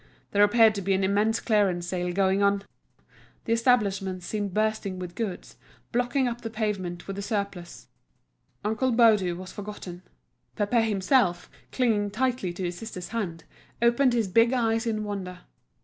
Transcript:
There appeared to be an immense clearance sale going on; the establishment seemed bursting with goods, blocking up the pavement with the surplus. Uncle Baudu was forgotten. Pépé himself, clinging tightly to his sister's hand, opened his big eyes in wonder.